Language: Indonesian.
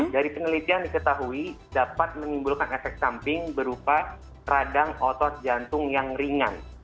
dari penelitian diketahui dapat menimbulkan efek samping berupa radang otot jantung yang ringan